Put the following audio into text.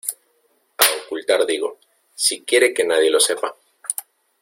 a ocultar digo. si quiere que nadie lo sepa .